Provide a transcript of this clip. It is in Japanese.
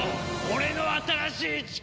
俺の新しい力を！